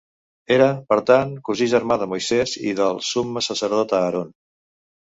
Era, per tant, cosí-germà de Moisès i del Summe Sacerdot Aaron.